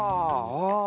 ああ。